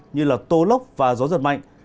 như là tô lốc và gió giật mạnh